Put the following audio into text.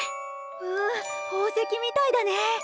うん宝石みたいだね。